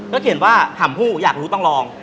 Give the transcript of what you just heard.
ก็เขียนว่าหำผู้อยากรู้ต้องลอง